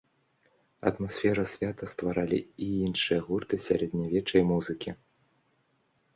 Атмасферу свята стваралі і іншыя гурты сярэдневечнай музыкі.